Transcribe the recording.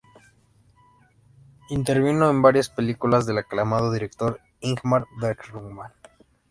Intervino en varias películas del aclamado director Ingmar Bergman.